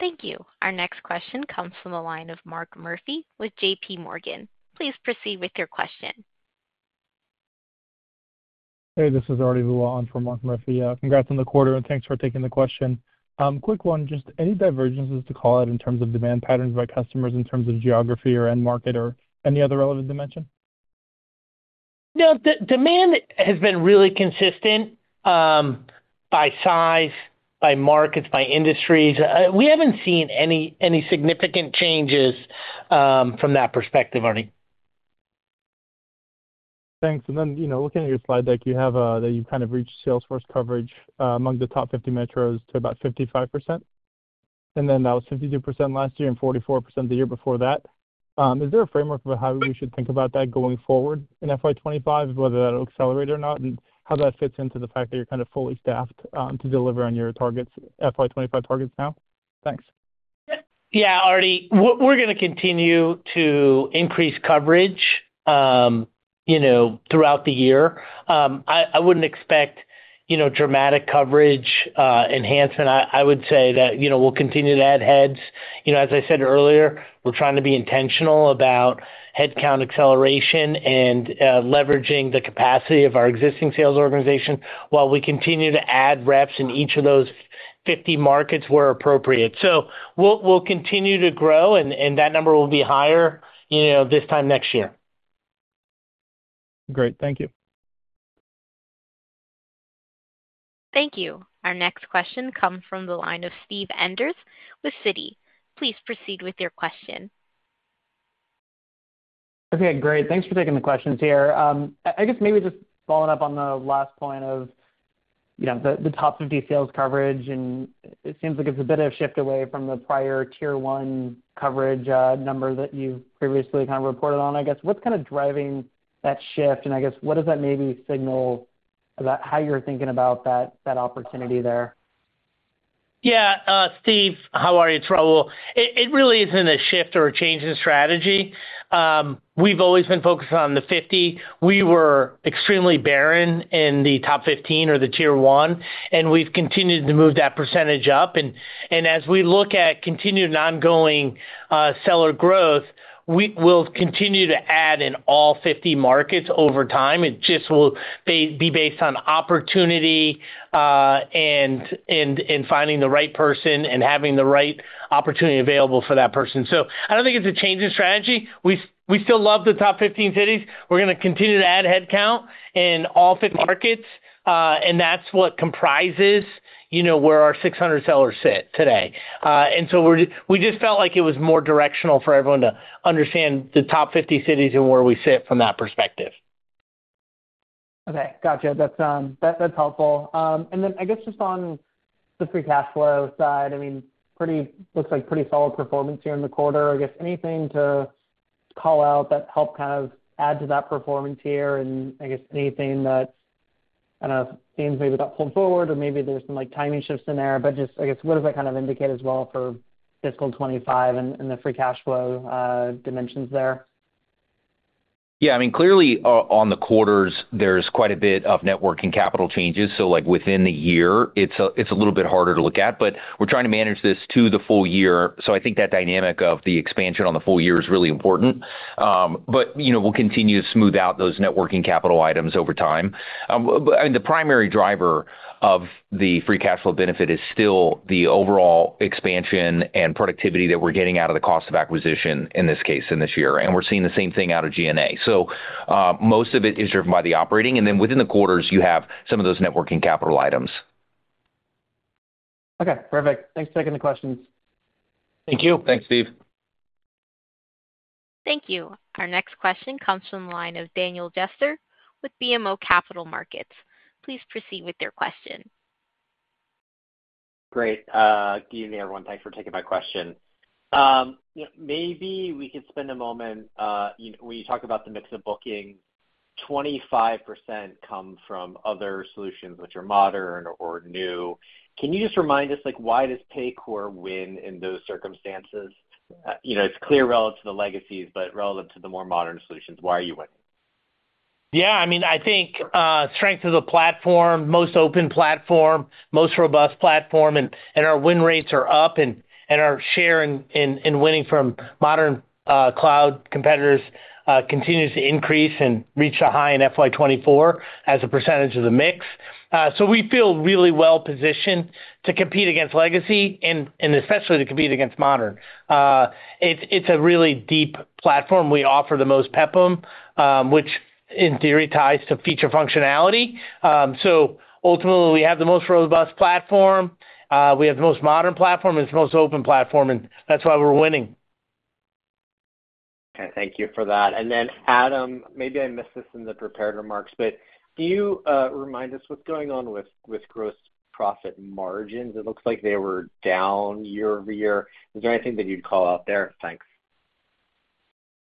Thank you. Our next question comes from the line of Mark Murphy with J.P. Morgan. Please proceed with your question. Hey, this is Arti Vula for Mark Murphy. Congrats on the quarter, and thanks for taking the question. Quick one, just any divergences to call out in terms of demand patterns by customers, in terms of geography or end market or any other relevant dimension? No, the demand has been really consistent by size, by markets, by industries. We haven't seen any significant changes from that perspective, Arti. Thanks. And then, you know, looking at your slide deck, you have that you've kind of reached sales force coverage among the top 50 metros to about 55%, and then that was 52 last year and 44% the year before that. Is there a framework for how we should think about that going forward in FY 2025, whether that'll accelerate or not, and how that fits into the fact that you're kind of fully staffed to deliver on your targets, FY 2025 targets now? Thanks. Yeah, Arti, we're gonna continue to increase coverage, you know, throughout the year. I wouldn't expect, you know, dramatic coverage enhancement. I would say that, you know, we'll continue to add heads. You know, as I said earlier, we're trying to be intentional about headcount acceleration and leveraging the capacity of our existing sales organization while we continue to add reps in each of those 50 markets where appropriate. So we'll continue to grow, and that number will be higher, you know, this time next year. Great. Thank you. Thank you. Our next question comes from the line of Steve Enders with Citi. Please proceed with your question.... Okay, great. Thanks for taking the questions here. I guess maybe just following up on the last point of, you know, the top 50 sales coverage, and it seems like it's a bit of a shift away from the prior tier 1 coverage number that you've previously kind of reported on. I guess, what's kind of driving that shift? And I guess, what does that maybe signal about how you're thinking about that opportunity there? Yeah, Steve, how are you? It's Raul. It really isn't a shift or a change in strategy. We've always been focused on the 50. We were extremely barren in the top 15 or the tier one, and we've continued to move that percentage up. And as we look at continued and ongoing seller growth, we will continue to add in all 50 markets over time. It just will be based on opportunity, and finding the right person and having the right opportunity available for that person. So I don't think it's a change in strategy. We still love the top 15 cities. We're gonna continue to add headcount in all 50 markets, and that's what comprises, you know, where our 600 sellers sit today. And so we just felt like it was more directional for everyone to understand the top 50 cities and where we sit from that perspective. Okay, gotcha. That's helpful. And then I guess just on the free cash flow side, I mean, looks like pretty solid performance here in the quarter. I guess anything to call out that helped kind of add to that performance here, and I guess anything that kind of seems maybe got pulled forward or maybe there's some, like, timing shifts in there? But just, I guess, what does that kind of indicate as well for fiscal 2025 and the free cash flow dimensions there? Yeah, I mean, clearly, on the quarters, there's quite a bit of net working capital changes. So, like, within the year, it's a little bit harder to look at, but we're trying to manage this to the full year. So I think that dynamic of the expansion on the full year is really important. But, you know, we'll continue to smooth out those net working capital items over time. But, and the primary driver of the free cash flow benefit is still the overall expansion and productivity that we're getting out of the cost of acquisition, in this case, in this year, and we're seeing the same thing out of G&A. So, most of it is driven by the operating, and then within the quarters, you have some of those net working capital items. Okay, perfect. Thanks for taking the questions. Thank you. Thanks, Steve. Thank you. Our next question comes from the line of Daniel Jester with BMO Capital Markets. Please proceed with your question. Great. Good evening, everyone. Thanks for taking my question. Maybe we could spend a moment, you know, when you talk about the mix of booking, 25% come from other solutions which are modern or new. Can you just remind us, like, why does Paycor win in those circumstances? You know, it's clear relative to the legacies, but relative to the more modern solutions, why are you winning? Yeah, I mean, I think, strength of the platform, most open platform, most robust platform, and our win rates are up, and our share in winning from modern cloud competitors continues to increase and reach a high in FY 2024 as a percentage of the mix. So we feel really well positioned to compete against legacy and especially to compete against modern. It's a really deep platform. We offer the most PEPM, which, in theory, ties to feature functionality. So ultimately, we have the most robust platform, we have the most modern platform, and it's the most open platform, and that's why we're winning. Okay, thank you for that. And then, Adam, maybe I missed this in the prepared remarks, but can you, remind us what's going on with, with gross profit margins? It looks like they were down year-over-year. Is there anything that you'd call out there? Thanks.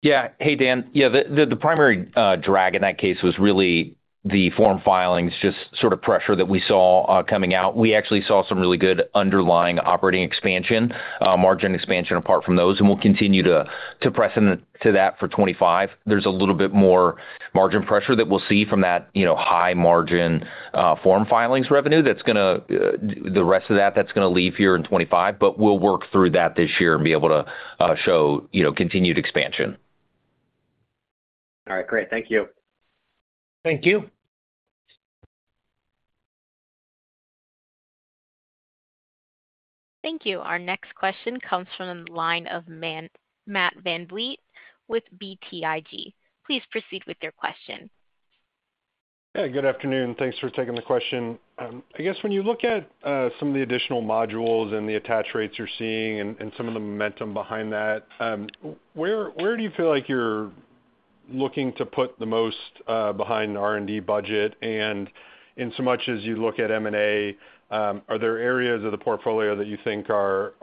Yeah. Hey, Dan. Yeah, the primary drag in that case was really the form filings, just sort of pressure that we saw coming out. We actually saw some really good underlying operating expansion, margin expansion apart from those, and we'll continue to press into that for 2025. There's a little bit more margin pressure that we'll see from that, you know, high margin form filings revenue that's gonna the rest of that, that's gonna leave here in 2025, but we'll work through that this year and be able to show, you know, continued expansion. All right, great. Thank you. Thank you. Thank you. Our next question comes from the line of Matt VanVliet with BTIG. Please proceed with your question. Yeah, good afternoon. Thanks for taking the question. I guess when you look at some of the additional modules and the attach rates you're seeing and some of the momentum behind that, where do you feel like you're looking to put the most behind the R&D budget? And insomuch as you look at M&A, are there areas of the portfolio that you think are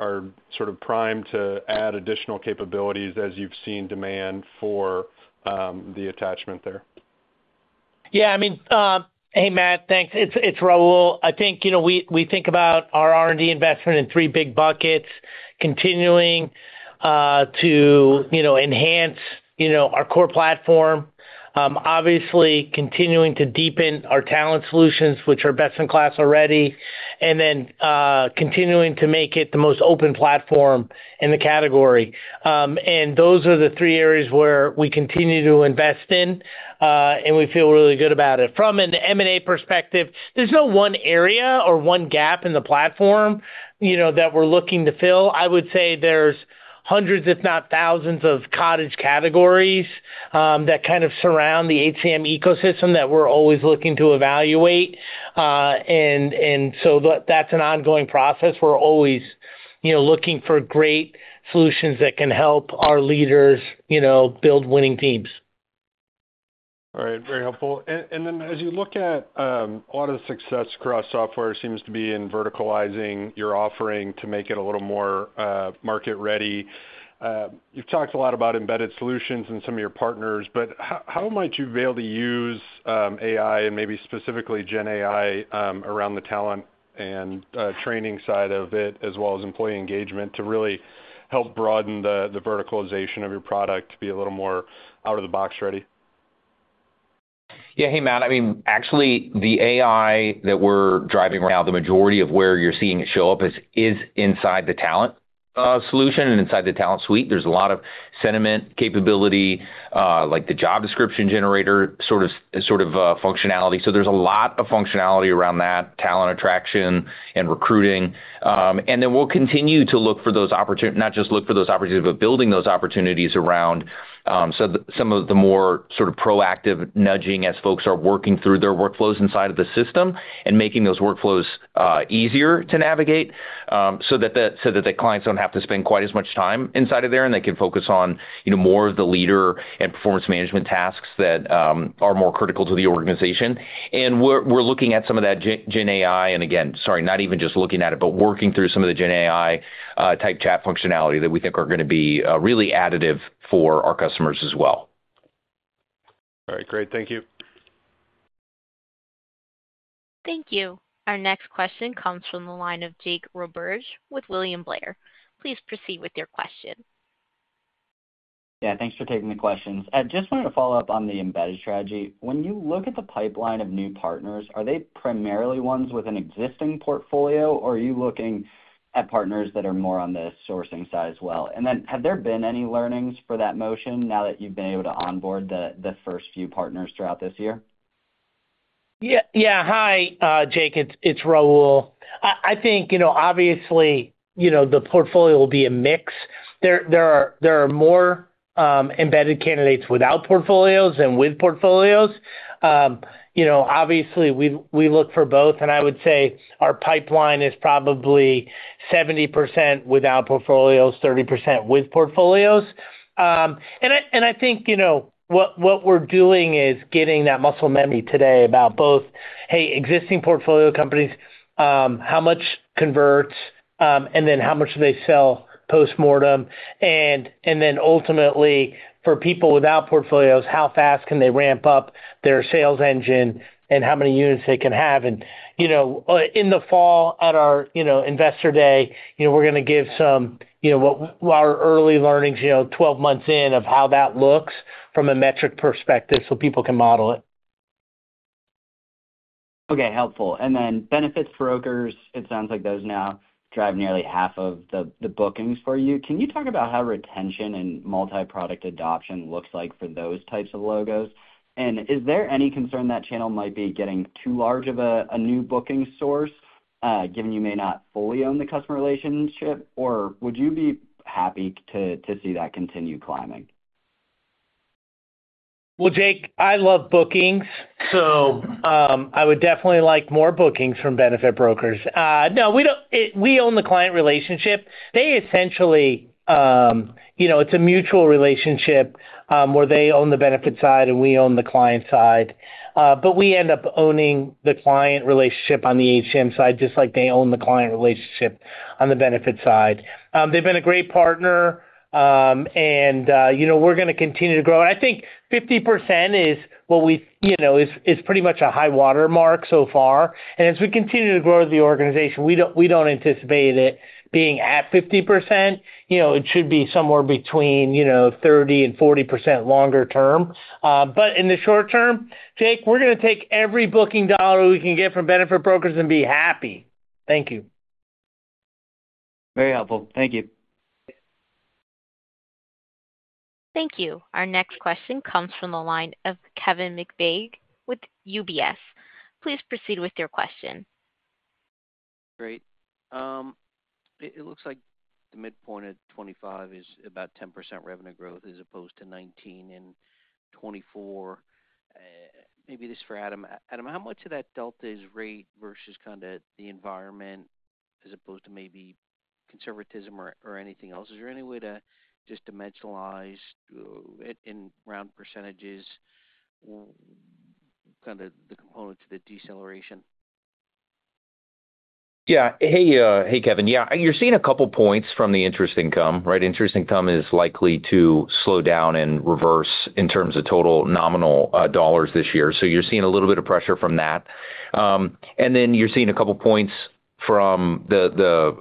sort of primed to add additional capabilities as you've seen demand for the attachment there? Yeah, I mean, Hey, Matt, thanks. It's Raul. I think, you know, we think about our R&D investment in three big buckets, continuing to, you know, enhance, you know, our core platform. Obviously continuing to deepen our talent solutions, which are best in class already, and then continuing to make it the most open platform in the category. And those are the three areas where we continue to invest in, and we feel really good about it. From an M&A perspective, there's no one area or one gap in the platform, you know, that we're looking to fill. I would say there's hundreds, if not thousands, of cottage categories that kind of surround the HCM ecosystem that we're always looking to evaluate. And so that's an ongoing process. We're always-... You know, looking for great solutions that can help our leaders, you know, build winning teams. All right. Very helpful. And then as you look at a lot of the success across software seems to be in verticalizing your offering to make it a little more market-ready. You've talked a lot about embedded solutions and some of your partners, but how might you be able to use AI and maybe specifically GenAI around the talent and training side of it, as well as employee engagement, to really help broaden the verticalization of your product to be a little more out-of-the-box ready? Yeah. Hey, Matt. I mean, actually, the AI that we're driving right now, the majority of where you're seeing it show up is inside the talent solution and inside the talent suite. There's a lot of sentiment capability, like the job description generator, sort of functionality. So there's a lot of functionality around that, talent attraction and recruiting. And then we'll continue to look for those opport— not just look for those opportunities, but building those opportunities around, so that some of the more sort of proactive nudging as folks are working through their workflows inside of the system, and making those workflows easier to navigate, so that the clients don't have to spend quite as much time inside of there, and they can focus on, you know, more of the leader and performance management tasks that are more critical to the organization. And we're looking at some of that GenAI. And again, sorry, not even just looking at it, but working through some of the GenAI type chat functionality that we think are gonna be really additive for our customers as well. All right, great. Thank you. Thank you. Our next question comes from the line of Jake Roberge with William Blair. Please proceed with your question. Yeah, thanks for taking the questions. I just wanted to follow up on the embedded strategy. When you look at the pipeline of new partners, are they primarily ones with an existing portfolio, or are you looking at partners that are more on the sourcing side as well? And then, have there been any learnings for that motion now that you've been able to onboard the first few partners throughout this year? Yeah. Yeah. Hi, Jake. It's Raul. I think, you know, obviously, you know, the portfolio will be a mix. There are more embedded candidates without portfolios than with portfolios. You know, obviously, we look for both, and I would say our pipeline is probably 70% without portfolios, 30% with portfolios. And I think, you know, what we're doing is getting that muscle memory today about both, hey, existing portfolio companies, how much converts, and then how much do they sell postmortem? And then ultimately, for people without portfolios, how fast can they ramp up their sales engine and how many units they can have? You know, in the fall, at our, you know, Investor Day, you know, we're gonna give some, you know, our early learnings, you know, 12 months in, of how that looks from a metric perspective, so people can model it. Okay, helpful. And then benefits brokers, it sounds like those now drive nearly half of the bookings for you. Can you talk about how retention and multi-product adoption looks like for those types of logos? And is there any concern that channel might be getting too large of a new booking source, given you may not fully own the customer relationship? Or would you be happy to see that continue climbing? Well, Jake, I love bookings, so I would definitely like more bookings from benefit brokers. No, we don't. We own the client relationship. They essentially, you know, it's a mutual relationship, where they own the benefit side, and we own the client side. But we end up owning the client relationship on the HCM side, just like they own the client relationship on the benefit side. They've been a great partner, and you know, we're gonna continue to grow. And I think 50% is what we... You know, is pretty much a high water mark so far. And as we continue to grow the organization, we don't anticipate it being at 50%. You know, it should be somewhere between, you know, 30% and 40% longer term. But in the short term, Jake, we're gonna take every booking dollar we can get from benefit brokers and be happy. Thank you. Very helpful. Thank you. Thank you. Our next question comes from the line of Kevin McVeigh with UBS. Please proceed with your question. Great. It looks like the midpoint at 25 is about 10% revenue growth, as opposed to 2019 and 2024. Maybe this is for Adam. Adam, how much of that delta is rate versus kind of the environment, as opposed to maybe conservatism or anything else? Is there any way to just dimensionalize in round percentages kind of the component to the deceleration? Yeah. Hey, hey, Kevin. Yeah, you're seeing a couple points from the interest income, right? Interest income is likely to slow down and reverse in terms of total nominal dollars this year. So you're seeing a little bit of pressure from that. And then you're seeing a couple points from the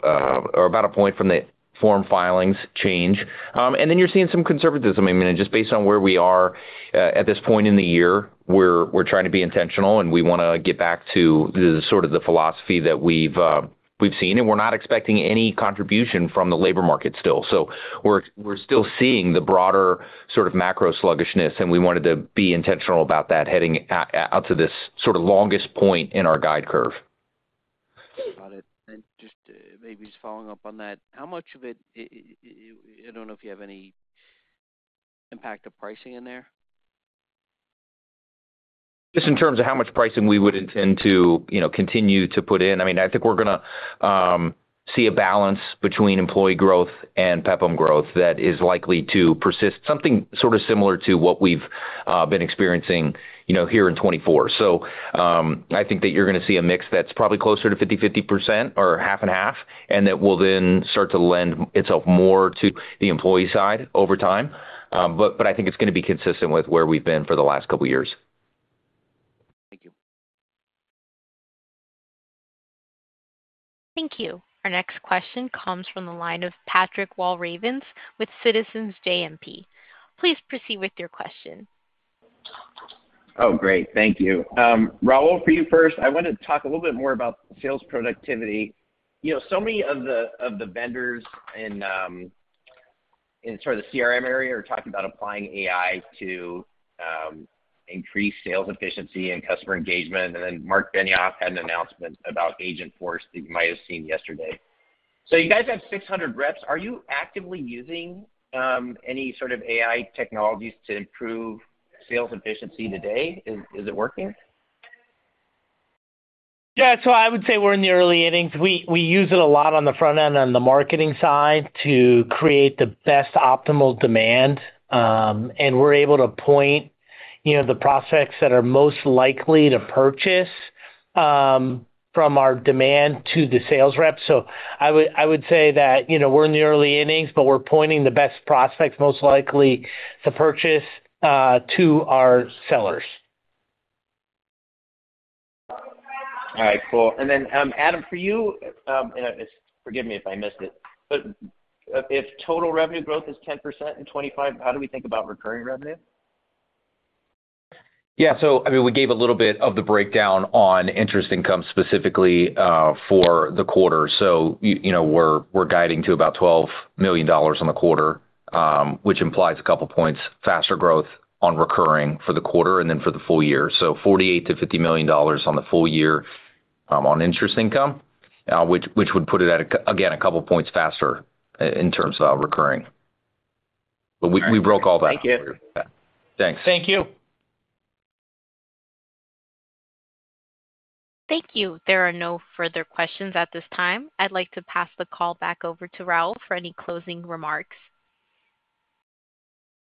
or about a point from the form filings change. And then you're seeing some conservatism. I mean, just based on where we are at this point in the year, we're trying to be intentional, and we wanna get back to the sort of the philosophy that we've seen, and we're not expecting any contribution from the labor market still. So we're still seeing the broader sort of macro sluggishness, and we wanted to be intentional about that heading out to this sort of longest point in our guide curve. Got it. And just, maybe just following up on that, how much of it, I don't know if you have any impact of pricing in there?... Just in terms of how much pricing we would intend to, you know, continue to put in, I mean, I think we're gonna see a balance between employee growth and PEPM growth that is likely to persist. Something sort of similar to what we've been experiencing, you know, here in 2024. So, I think that you're gonna see a mix that's probably closer to 50/50% or half and half, and that will then start to lend itself more to the employee side over time. But, but I think it's gonna be consistent with where we've been for the last couple years. Thank you. Thank you. Our next question comes from the line of Patrick Walravens with Citizens JMP. Please proceed with your question. Oh, great. Thank you. Raul, for you first, I wanna talk a little bit more about sales productivity. You know, so many of the vendors in sort of the CRM area are talking about applying AI to increase sales efficiency and customer engagement, and then Marc Benioff had an announcement about Agentforce that you might have seen yesterday. So you guys have 600 reps. Are you actively using any sort of AI technologies to improve sales efficiency today? Is it working? Yeah, so I would say we're in the early innings. We use it a lot on the front end on the marketing side to create the best optimal demand. And we're able to point, you know, the prospects that are most likely to purchase from our demand to the sales rep. So I would say that, you know, we're in the early innings, but we're pointing the best prospects most likely to purchase to our sellers. All right, cool. And then, Adam, for you, and forgive me if I missed it, but if total revenue growth is 10% in 2025, how do we think about recurring revenue? Yeah. So, I mean, we gave a little bit of the breakdown on interest income, specifically, for the quarter. So you know, we're guiding to about $12 million on the quarter, which implies a couple points faster growth on recurring for the quarter and then for the full year. So $48 million-$50 million on the full year, on interest income, which would put it at, again, a couple points faster in terms of recurring. But we broke all that earlier. Thank you. Thanks. Thank you. Thank you. There are no further questions at this time. I'd like to pass the call back over to Raul for any closing remarks.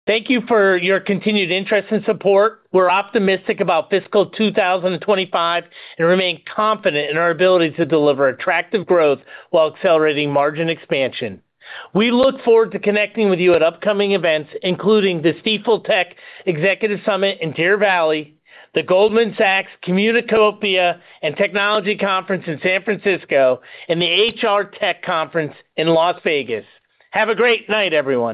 Thank you for your continued interest and support. We're optimistic about fiscal 2025 and remain confident in our ability to deliver attractive growth while accelerating margin expansion. We look forward to connecting with you at upcoming events, including the Stifel Tech Executive Summit in Deer Valley, the Goldman Sachs Communacopia and Technology Conference in San Francisco, and the HR Tech conference in Las Vegas. Have a great night, everyone.